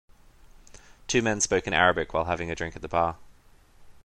Two men spoke in Arabic while having a drink at the bar.